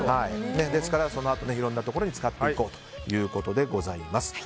そのあといろんなところに使っていこうということです。